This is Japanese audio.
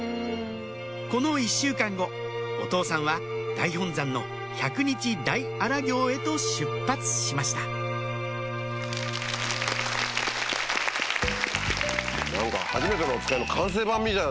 この１週間後お父さんは大本山の百日大荒行へと出発しました何か『はじめてのおつかい』の完成版みたいな。